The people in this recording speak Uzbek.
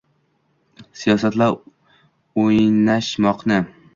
Siyosat-la o’ynashmoqni